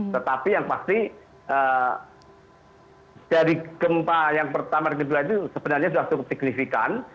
tetapi yang pasti dari gempa yang pertama dan kedua itu sebenarnya sudah cukup signifikan